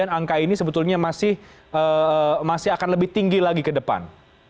angka ini sebetulnya masih akan lebih tinggi lagi ke depan